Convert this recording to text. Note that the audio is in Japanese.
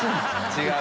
違う。